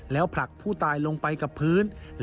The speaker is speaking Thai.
แล้วผลักผู้ตายลงไปกับพื้น